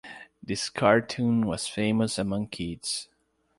This cartoon was famous among kids.